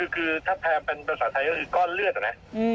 คือถ้าแรมเป็นภาษาไทยก็คือก้อนเลือดอะนะ